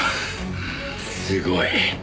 すごい。